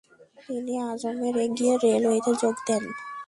তিনি আজমের-এ গিয়ে রেলওয়েতে যোগ দেন।